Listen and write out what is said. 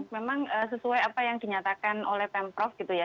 memang sesuai apa yang dinyatakan oleh pemprov gitu ya